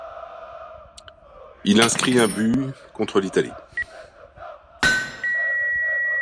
Il inscrit un but, contre l'Italie.